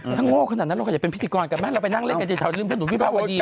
ถ้างโง่ขนาดนั้นเราจะเป็นพิธีกรกันไหมเราไปนั่งเล่นกันอย่าลืมสนุนพี่บ้าวดีนะ